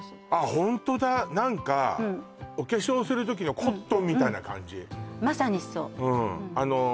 ホントだ何かお化粧する時のコットンみたいな感じ